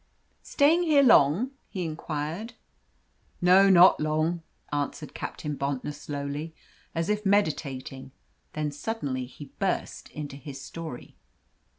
"Staying here long?" he inquired. "No, not long," answered Captain Bontnor slowly, as if meditating; then suddenly he burst into his story.